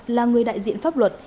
là người đại diện pháp luật